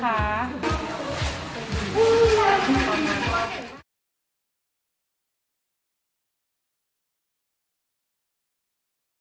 ขอบคุณทุกคนค่ะ